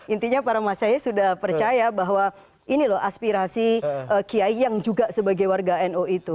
intinya para masyarakat sudah percaya bahwa ini loh aspirasi kiai yang juga sebagai warga nu itu